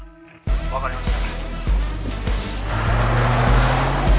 分かりました。